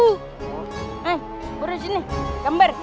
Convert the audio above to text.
eh bawa sini gambar